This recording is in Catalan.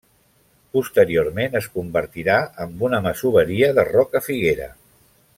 Posteriorment es convertirà amb una masoveria de Rocafiguera.